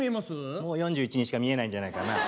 もう４１にしか見えないんじゃないかな。